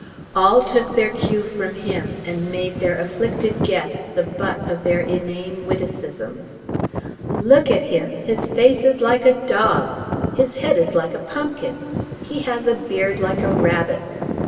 All took their cue from him, and made their afflicted guest the butt of their inane witticisms. "Look at him! His face is like a dog's!" "His head is like a pumpkin!" "He has a beard like a rabbit's!"